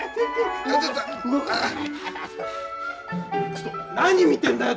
ちょっと何見てんだよ！